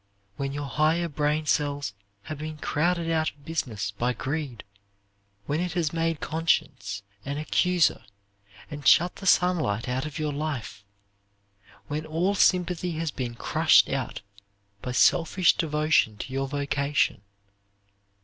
When your highest brain cells have been crowded out of business by greed. When it has made conscience an accuser, and shut the sunlight out of your life. When all sympathy has been crushed out by selfish devotion to your vocation.